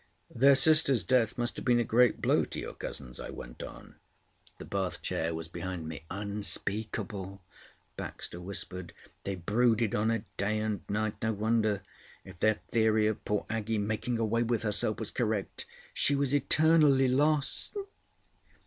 "Their sister's death must have been a great blow to your cousins," I went on. The bath chair was behind me. "Unspeakable," Baxter whispered. "They brooded on it day and night. No wonder. If their theory of poor Aggie making away with herself was correct, she was eternally lost!"